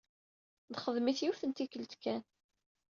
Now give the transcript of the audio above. Nexdem-it yiwet n tikkelt kan.